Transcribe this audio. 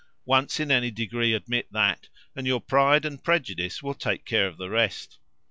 Once in any degree admit that, and your pride and prejudice will take care of the rest!